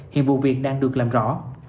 hiện vụ việc đang được làm rõ